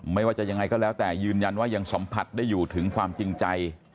ไม่ว่าจะยังไงก็แล้วแต่ยืนยันว่ายังสัมผัสได้อยู่ถึงความจริงใจ